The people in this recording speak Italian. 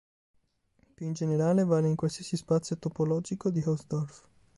Più in generale, vale in qualsiasi spazio topologico di Hausdorff.